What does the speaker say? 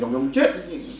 dòng sông chết